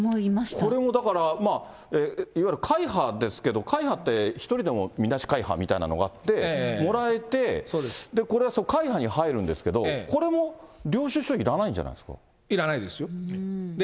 これもだから、いわゆる会派ですから、一人でもみなし会派ってあって、もらえて、これは会派に入るんですけど、これも、領収書いらないんじゃないですか？